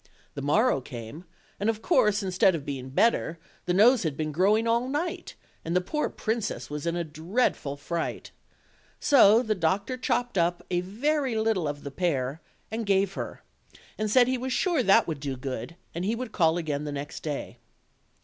The morrow came, and of course, in stead of being better, the nose had been growing all night, and the poor princess was in a dreadful fright. So the doctor chopped up a very little of the pear and gave her, and said he was sure that would do good, and he would call again the next day.